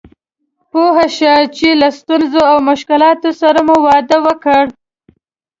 پوه شه چې له ستونزو او مشکلاتو سره مو واده وکړ.